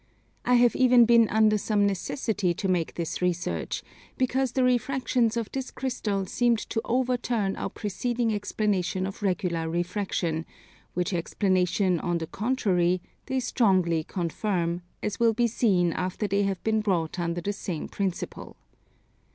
I have even been under some necessity to make this research, because the refractions of this Crystal seemed to overturn our preceding explanation of regular refraction; which explanation, on the contrary, they strongly confirm, as will be seen after they have been brought under the same principle.